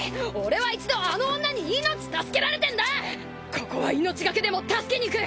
ここは命懸けでも助けに行く！